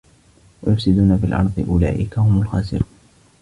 وَيُفْسِدُونَ فِي الْأَرْضِ ۚ أُولَٰئِكَ هُمُ الْخَاسِرُونَ